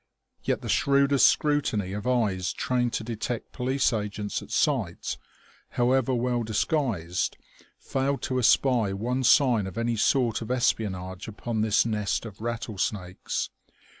Yet the shrewdest scrutiny of eyes trained to detect police agents at sight, however well disguised, failed to espy one sign of any sort of espionage upon this nest of rattlesnakes.